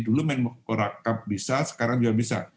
dulu menpora cup bisa sekarang juga bisa